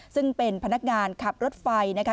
ซึ่งเป็นพนักงานขับรถไฟนะคะ